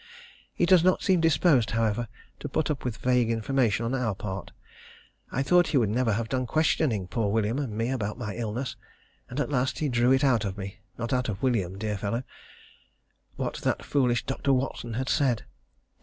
He does not seem disposed, however, to put up with vague information on our part. I thought he would never have done questioning poor William and me about my illness, and at last he drew it out of me not out of William, dear fellow what that foolish Dr. Watson had said.